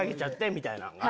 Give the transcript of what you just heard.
みたいなん。